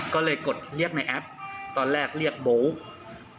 ก็เลยกดเรียกในแอปตอนแรกเรียกโบ๊ค